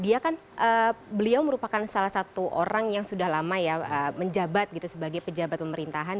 dia kan beliau merupakan salah satu orang yang sudah lama ya menjabat gitu sebagai pejabat pemerintahan